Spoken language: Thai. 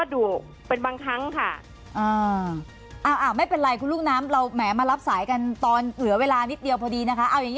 ดุเป็นบางครั้งค่ะอ่าเอ่อไม่เป็นเราแมร์มารับสายกันตอนเหลือเวลานิดเดียวพอดีนะคะ